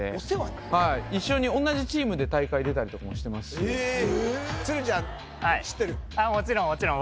はい一緒に同じチームで大会出たりとかもしてますしもちろん